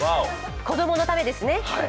子供のためですね。